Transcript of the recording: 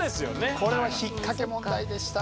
これは引っかけ問題でした。